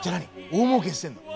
大もうけしてんの！？